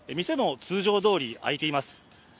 店も通常どおり開いています。